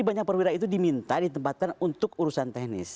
nah perwira itu diminta ditempatkan untuk urusan teknis